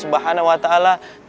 tempat sebaik baiknya untuk bersandar